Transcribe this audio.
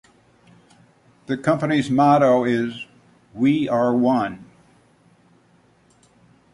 The Company's motto is "We Are One".